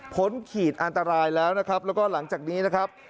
ขีดอันตรายแล้วนะครับแล้วก็หลังจากนี้นะครับ